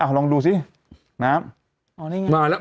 อ้าวลองดูซินะฮะ